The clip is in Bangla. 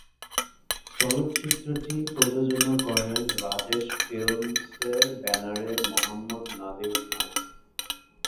চলচ্চিত্রটি প্রযোজনা করেন রাজেশ ফিল্মসের ব্যানারে মোহাম্মদ নাদির খান।